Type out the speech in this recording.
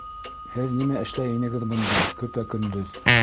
Һеҙ нимә эшләй инегеҙ бында көпә-көндөҙ?